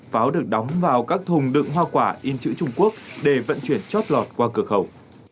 pháo được đóng vào các thùng đựng hoa quả in chữ trung quốc để vận chuyển chót lọt qua cửa khẩu